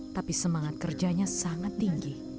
tapi semangat kerjanya sangat tinggi